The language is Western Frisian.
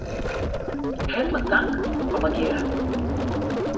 Hertlik tank allegearre.